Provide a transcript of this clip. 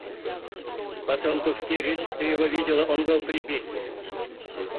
Потом Тушкевич, — ты его видела, он был при Бетси.